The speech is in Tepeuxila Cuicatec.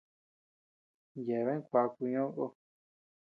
Yeabean kuaku ñoʼo kó.